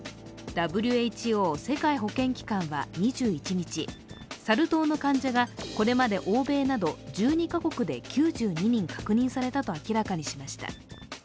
ＷＨＯ＝世界保健機関は２１日、サル痘の患者がこれまで欧米など１２カ国で９２人確認されたと明らかにしました。